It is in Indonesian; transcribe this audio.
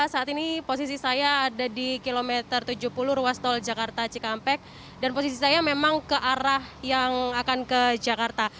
saat ini posisi saya ada di kilometer tujuh puluh ruas tol jakarta cikampek dan posisi saya memang ke arah yang akan ke jakarta